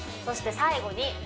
そして最後に